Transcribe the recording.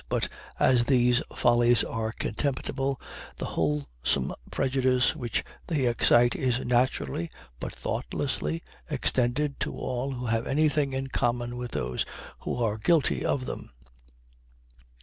But as these follies are contemptible, the wholesome prejudice which they excite is naturally, but thoughtlessly, extended to all who have anything in common with those who are guilty of them.